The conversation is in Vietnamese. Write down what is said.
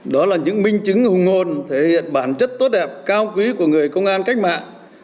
đó là những minh chứng hùng hồn thể hiện bản chất tốt đẹp cao quý của người công an cách mạng